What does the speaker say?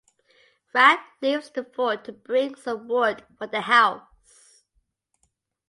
Raj leaves the fort to bring some wood for their house.